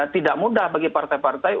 tidak mudah bagi partai partai